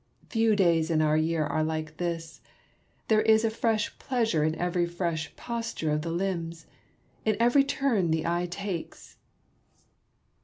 Few days in our year are like this : there is a fresh pleasure in every fresh posture of the limbs, in every turn the eye takes.